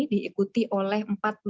diikuti oleh empat puluh sembilan